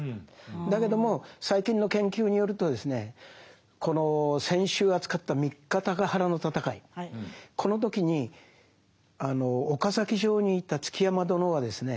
だけども最近の研究によるとですねこの先週扱った三方ヶ原の戦いこの時に岡崎城にいた築山殿はですね